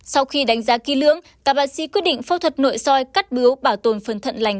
sau khi đánh giá kỹ lưỡng các bác sĩ quyết định phẫu thuật nội soi cắt bứu bảo tồn phần thận lành